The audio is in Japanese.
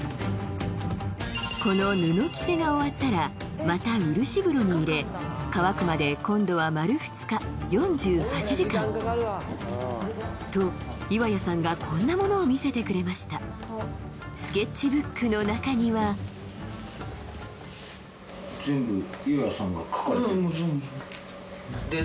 この布着せが終わったらまた漆風呂に入れ乾くまで今度は丸２日４８時間と岩谷さんがこんなものを見せてくれましたスケッチブックの中にはあ